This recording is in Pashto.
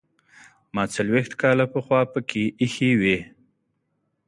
ما څلوېښت کاله پخوا پکې ایښې وې.